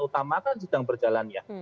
utama kan sedang berjalannya